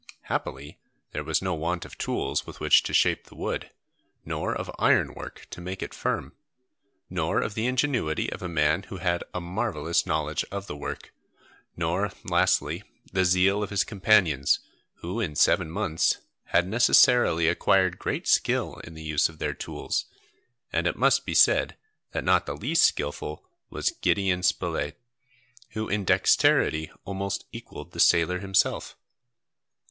Happily there was no want of tools with which to shape the wood, nor of iron work to make it firm, nor of the ingenuity of a man who had a marvellous knowledge of the work, nor lastly, the zeal of his companions, who in seven months had necessarily acquired great skill in the use of their tools; and it must be said that not the least skillful was Gideon Spilett, who in dexterity almost equalled the sailor himself.